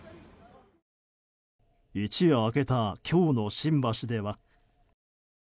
一夜明けた今日の新橋では。